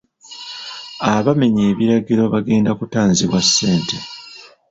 Abamenya ebiragiro bagenda kutaanzibwa ssente.